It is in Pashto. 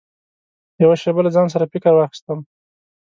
يوه شېبه له ځان سره فکر واخيستم .